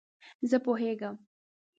زه پوهیږم